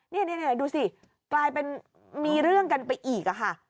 นี่ดูสิกลายเป็นมีเรื่องกันไปอีกค่ะ